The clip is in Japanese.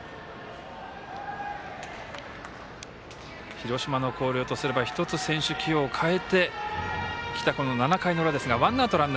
広島の広陵とすれば１つ選手起用を変えてきた７回の裏ですが。